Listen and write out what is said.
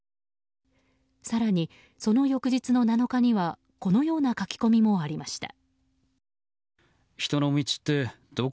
更に、その翌日の７日にはこのような書き込みありました。